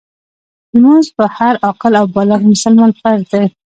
لمونځ په هر عاقل او بالغ مسلمان فرض دی .